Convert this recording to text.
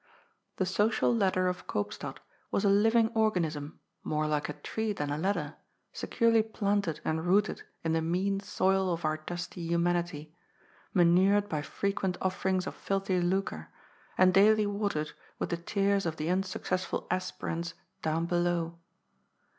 The social ladder of Koopstad was a living organism, more like a tree than a ladder, securely planted and rooted in the mean soil of our dusty humanity, manured by frequent offerings of filthy lucre, and daily watered with the tears of the unsuccessful aspirants down below.